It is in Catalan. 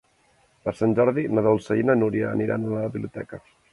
Per Sant Jordi na Dolça i na Núria aniran a la biblioteca.